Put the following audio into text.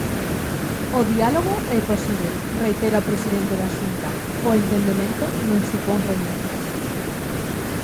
"O diálogo é posíbel", reitera o presidente da Xunta, "o entendemento non supón renuncias".